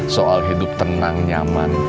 soal hidup tenang nyaman